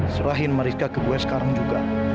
serahin mariska ke gue sekarang juga